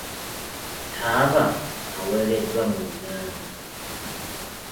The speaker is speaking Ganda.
Taaba awereddwa mu Uganda.